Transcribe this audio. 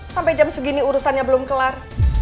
sampai jam segini urusannya belum kelar